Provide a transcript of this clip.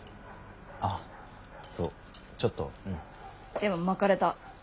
でもまかれた。